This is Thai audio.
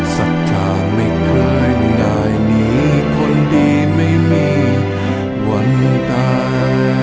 สักอย่างไม่เคยได้หนีคนดีไม่มีวันตา